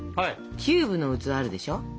キューブの器あるでしょ。